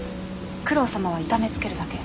九郎様は痛めつけるだけ。